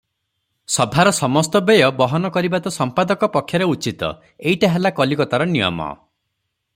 ସଭାର ସମସ୍ତ ବ୍ୟୟ ବହନ କରିବା ତ ସମ୍ପାଦକ ପକ୍ଷରେ ଉଚିତ, ଏଇଟା ହେଲା କଲିକତାର ନିୟମ ।